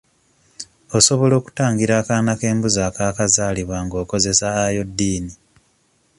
Osobola okutangira akaana k'embuzi akaakazaalibwa ng'okozesa iodine.